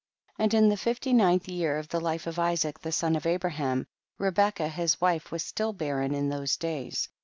And in the fifty ninth year of the life of Isaac the son of Abraham, Rebecca his wife was still barren in those days.